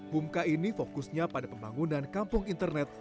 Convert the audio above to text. bumka ini fokusnya pada pembangunan kampung internet